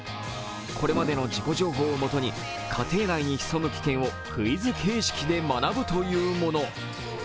これまでの事故情報をもとに家庭内に潜む危険をクイズ形式で学ぶというもの。